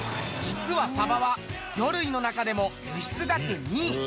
実はサバは魚類の中でも輸出額２位。